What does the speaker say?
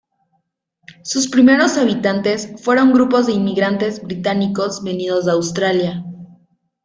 Sus primeros habitantes fueron grupos de inmigrantes británicos venidos de Australia.